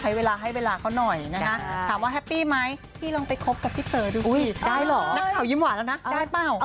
อย่าไปถามแบบนั้นเลยค่ะ